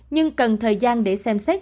nhưng cần thời gian để xem xét